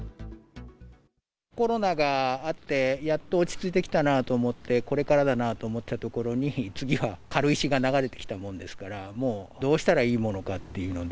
コロナがあって、やっと落ち着いてきたなと思って、これからだなと思ったところに、次は軽石が流れてきたもんですから、もうどうしたらいいものかっていうので。